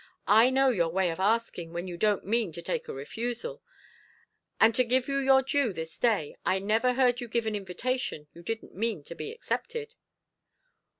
I know your way of asking, when you don't mean to take a refusal; and to give you your due this day, I never heard you give an invitation you didn't mean to be accepted."